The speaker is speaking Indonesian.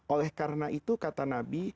oleh karena itu kata nabi